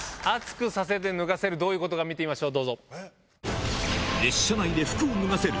暑くさせて脱がせるどういうことか見てみましょう。